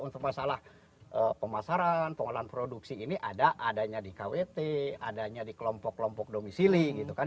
untuk masalah pemasaran pengolahan produksi ini ada adanya di kwt adanya di kelompok kelompok domisili gitu kan